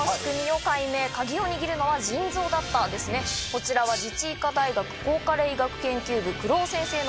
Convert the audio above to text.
こちらは自治医科大学抗加齢医学研究部黒尾先生です。